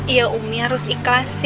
iya umi harus ikhlasin